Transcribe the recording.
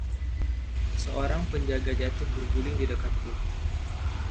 Seorang penjaga jatuh berguling di dekatku.